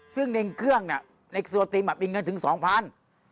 ซึ่งในเครื่องเนี่ยในส่วนจริงมันมีเงินถึงสองพัน